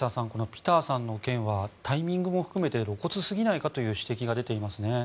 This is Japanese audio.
ピターさんの件はタイミングも含めて露骨すぎないかという指摘が出ていますね。